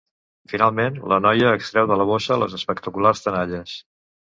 Finalment, la noia extreu de la bossa les espectaculars tenalles.